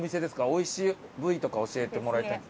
おいしい部位とか教えてもらいたい。